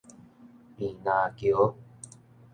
坪林橋